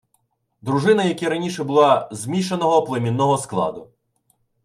Дружина, як і раніше, була змішаного племінного складу